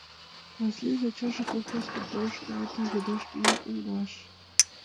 Васлийын ачаже колхоз конторыш мландым йодаш миен улмаш.